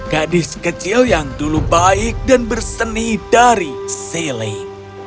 gadis kecil yang dulu baik dan berseni dari selek